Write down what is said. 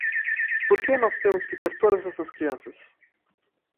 Por que nós temos que ter todas essas crianças?